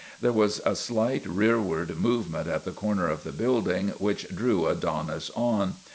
There was a slight rearward movement at the corner of the building which drew Adonis on.